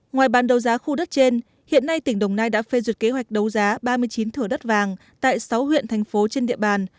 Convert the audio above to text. ngoài bàn đấu giá khu đất trên hiện nay tỉnh đồng nai đã phê duyệt kế hoạch đấu giá ba mươi chín thửa đất vàng tại sáu huyện thành phố trên địa bàn